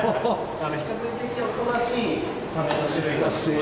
比較的おとなしいサメの種類が。